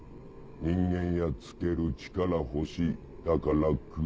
人間やっつける力欲しいだから食う。